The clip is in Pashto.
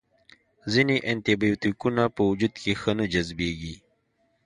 ځینې انټي بیوټیکونه په وجود کې ښه نه جذبیږي.